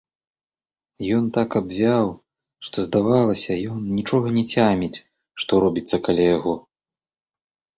Ён так абвяў, што, здавалася, ён нічога не цяміць, што робіцца каля яго.